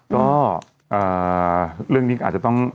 ก็เอ่อเรื่องนี้อาจจะต้อง